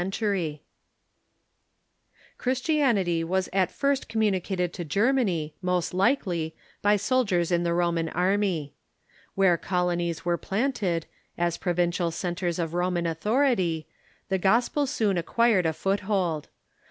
THE EXPANSION OF CURISTIANITY 99 Christianity was at first communicated to Germany, most likely, by soldiers in the Roman army. Where colonies were planted, as provincial centres of Roman authority, the Gospel soon acquired a foothold.